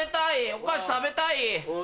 お菓子食べたい！